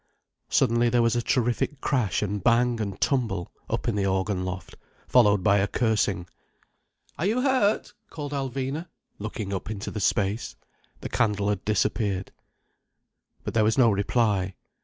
Suddenly there was a terrific crash and bang and tumble, up in the organ loft, followed by a cursing. "Are you hurt?" called Alvina, looking up into space. The candle had disappeared. But there was no reply.